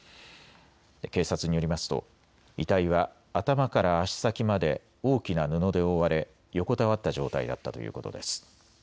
警察によりますと遺体は頭から足先まで大きな布で覆われ横たわった状態だったということです。